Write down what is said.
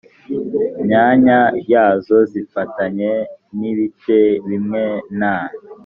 myanya yazo zifatanye n ibice bimwe na